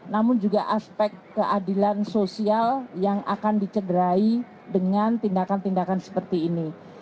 namun juga aspek keadilan sosial yang akan dicederai dengan tindakan tindakan seperti ini